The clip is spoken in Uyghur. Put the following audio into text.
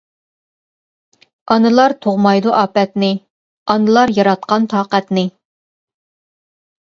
ئانىلار تۇغمايدۇ ئاپەتنى، ئانىلار ياراتقان تاقەتنى.